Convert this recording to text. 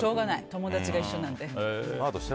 友達が一緒なんで。